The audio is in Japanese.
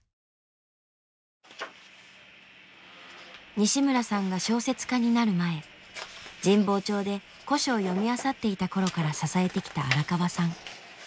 西村さんが小説家になる前神保町で古書を読みあさっていた頃から支えてきた荒川さん。